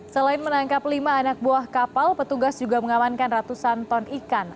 selain menangkap lima anak buah kapal petugas juga mengamankan ratusan ton ikan